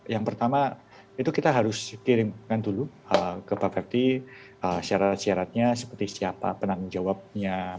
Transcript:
yang pertama itu kita harus kirimkan dulu ke pak ferdi syarat syaratnya seperti siapa penanggung jawabnya